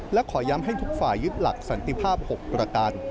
และขอย้ำให้ทุกฝ่ายยึดหลักสันติภาพ๖ประการ